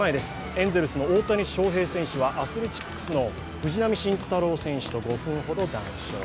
エンゼルスの大谷翔平選手はアスレチックスの藤浪晋太郎選手と５分ほど談笑。